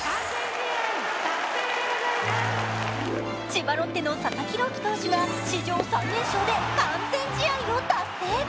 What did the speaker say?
千葉ロッテの佐々木朗希投手が史上最年少で完全試合を達成。